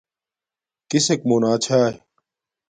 کسک مونا چھاݵ